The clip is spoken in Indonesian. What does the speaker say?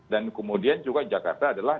dan kemudian juga jakarta adalah